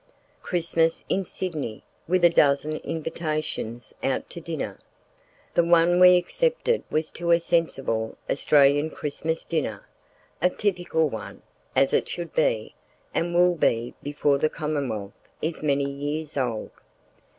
Christmas in Sydney, with a dozen invitations out to dinner. The one we accepted was to a sensible Australian Christmas dinner; a typical one, as it should be, and will be before the Commonwealth is many years old.